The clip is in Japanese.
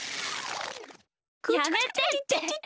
やめてって。